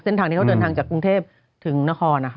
เส้นทางที่เขาเดินทางจากกรุงเทพถึงนครนะคะ